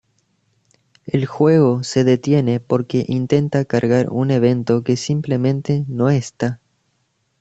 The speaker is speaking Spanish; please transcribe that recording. El juego se detiene porque intenta cargar un evento que simplemente no está.